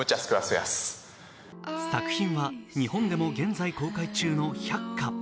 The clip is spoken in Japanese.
作品は日本でも現在公開中の「百花」。